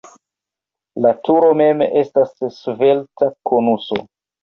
La turo mem estas svelta konuso.